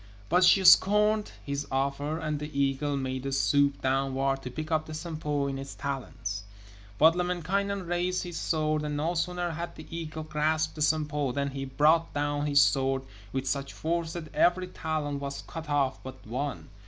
But she scorned his offer, and the eagle made a swoop downward to pick up the Sampo in its talons. But Lemminkainen raised his sword, and no sooner had the eagle grasped the Sampo than he brought down his sword with such force that every talon was cut off but one.